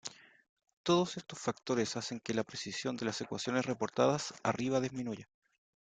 Todos estos factores hacen que la precisión de las ecuaciones reportadas arriba disminuya.